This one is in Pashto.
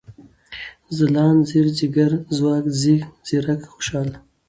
ځلاند ، ځير ، ځيگر ، ځواک ، ځيږ ، ځيرک ، خوشال